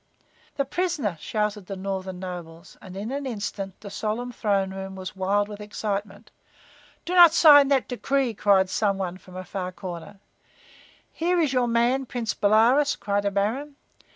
"The prisoner!" shouted the northern nobles, and in an instant the solemn throne room was wild with excitement. "Do not sign that decree!" cried some one from a far corner. "Here is your man, Prince Bolaroz!" cried a baron.